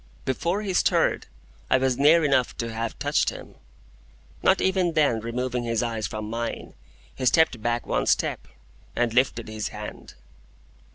Before he stirred, I was near enough to him to have touched him. Not even then removing his eyes from mine, he stepped back one step, and lifted his hand.